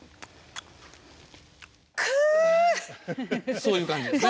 そういう感じですね。